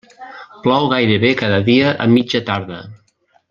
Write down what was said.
Plou gairebé cada dia a mitja tarda.